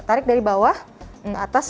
tarik dari bawah ke atas